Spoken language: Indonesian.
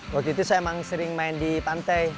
waktu itu saya emang sering main di pantai